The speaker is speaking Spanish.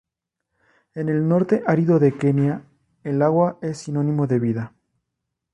En el norte árido de Kenya, el agua es sinónimo de vida.